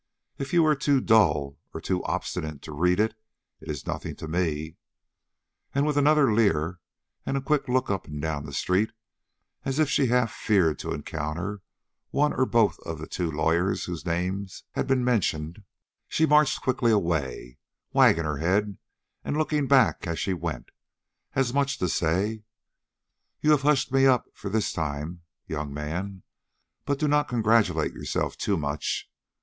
If you are too dull or too obstinate to read it, it's nothing to me." And with another leer and a quick look up and down the street, as if she half feared to encounter one or both of the two lawyers whose names he had mentioned, she marched quickly away, wagging her head and looking back as she went, as much as to say: "You have hushed me up for this time, young man, but don't congratulate yourself too much.